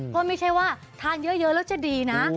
เพราะไม่ใช่ว่าทานเยอะแล้วจะดีนะ